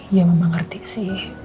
ya mama ngerti sih